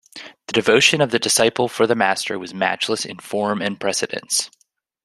The devotion of the disciple for the Master was matchless in form and precedence.